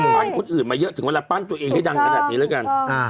ปั้นคนอื่นมาเยอะถึงเวลาปั้นตัวเองให้ดังขนาดนี้แล้วกัน